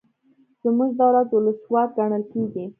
زموږ دولت ولسواک ګڼل کیږي.